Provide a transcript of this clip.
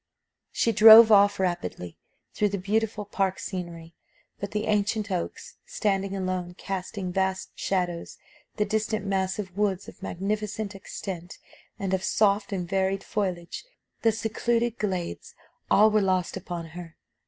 She drove off rapidly, through the beautiful park scenery But the ancient oaks, standing alone, casting vast shadows, the distant massive woods of magnificent extent and of soft and varied foliage; the secluded glades, all were lost upon her.